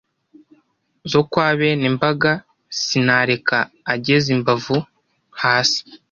Zo kwa bene Mbaga.Sinareke ageza imbavu hasi,